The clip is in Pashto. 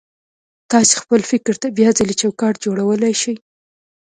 تاسې خپل فکر ته بيا ځلې چوکاټ جوړولای شئ.